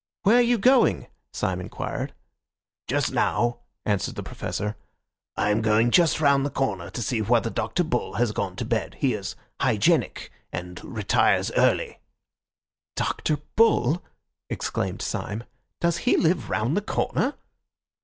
"Where are you going?" Syme inquired. "Just now," answered the Professor, "I am going just round the corner to see whether Dr. Bull has gone to bed. He is hygienic, and retires early." "Dr. Bull!" exclaimed Syme. "Does he live round the corner?"